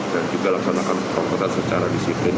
dan juga laksanakan proses secara disiplin